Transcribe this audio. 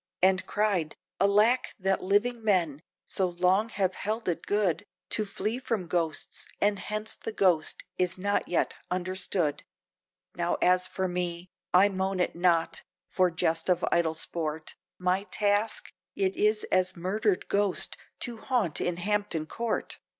And cried, "Alack! that living men, so long have held it good, To flee from Ghosts, and hence the Ghost is not yet understood, Now as for me, I moan it not, for jest of idle sport, My task, it is as murdered Ghost, to haunt in Hampton Court!